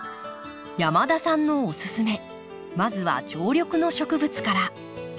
山田さんのおすすめまずは常緑の植物から。